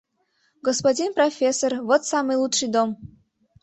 Господин профессор, вот самый лучший дом!